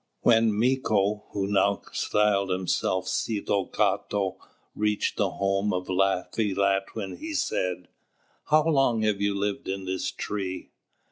When Mīko, who now styled himself Set cāto, reached the home of Laffy Latwin, he said: "How long have you lived in this tree?"